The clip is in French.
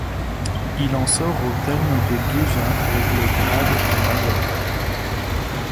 Il en sort au terme de deux ans avec le grade de major.